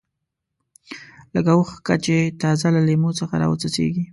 لکه اوښکه چې تازه له لیمو څخه راوڅڅېږي.